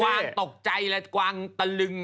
วางตกใจและกวางตะลึง